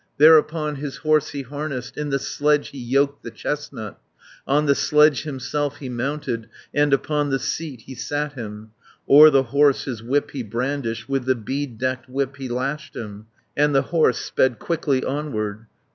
Thereupon his horse he harnessed, In the sledge he yoked the chestnut, 210 On the sledge himself he mounted, And upon the seat he sat him. O'er the horse his whip he brandished, With the bead decked whip he lashed him. And the horse sped quickly onward.